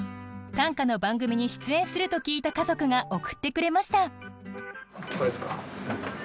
短歌の番組に出演すると聞いた家族が送ってくれました。